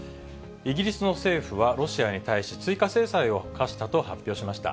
イギリスの政府はロシアに対し、追加制裁を科したと発表しました。